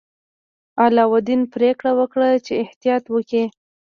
علاوالدین پریکړه وکړه چې احتیاط وکړي.